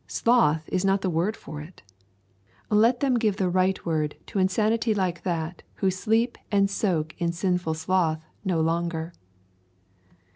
Sloth is not the word for it. Let them give the right word to insanity like that who sleep and soak in sinful sloth no longer.